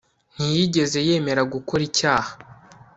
Ntiyigeze yemera gukora icyaha